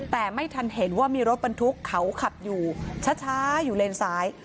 แต่ไม่ทันเห็นว่ามีรถบรรทุกเขาขับอยู่ช้าอยู่เลนซ้าย